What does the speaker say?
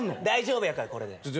大丈夫やからこれで。